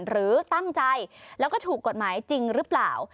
หรือตั้งใจแล้วก็ถูกกฎหมายจริงหรือเปล่า